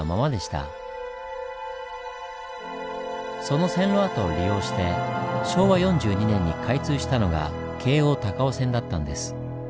その線路跡を利用して昭和４２年に開通したのが京王高尾線だったんです。